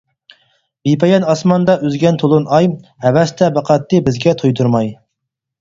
بىپايان ئاسماندا ئۈزگەن تولۇن ئاي، ھەۋەستە باقاتتى بىزگە تۇيدۇرماي.